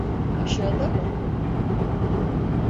Aşağıda mı?